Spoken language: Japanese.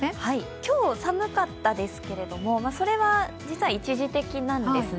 今日、寒かったですけれども、それは実は一時的なんですね。